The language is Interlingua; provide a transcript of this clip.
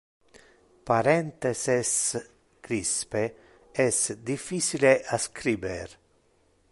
Parentheses crispe es difficile a scriber.